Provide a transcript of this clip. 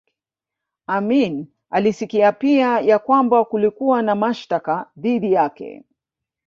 Amin alisikia pia ya kwamba kulikuwa na mashtaka dhidi yake